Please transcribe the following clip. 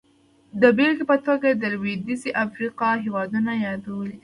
د بېلګې په توګه یې د لوېدیځې افریقا هېوادونه یادولی شو.